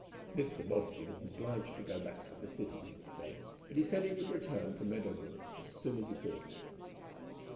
Mr. Bobbsey was obliged to go back to the city next day, but he said he would return to Meadow Brook as soon as he could.